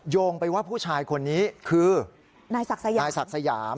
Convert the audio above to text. โยงไปว่าผู้ชายคนนี้คือนายศักดิ์สยาม